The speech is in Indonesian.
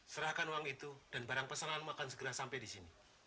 serahkan uang itu dan barang pesanan akan segera sampai di sini